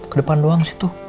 ke depan doang sih tuh